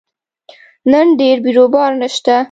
نن ډېر بیروبار نشته